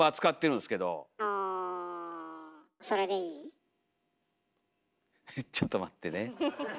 おちょっと待ってね。